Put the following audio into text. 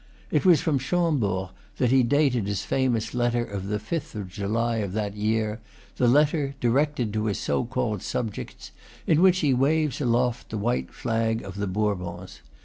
It was from Chambord that he dated his famous letter of the 5th of July of that year, the letter, directed to his so called subjects, in which he waves aloft the white flag of the Bourbons.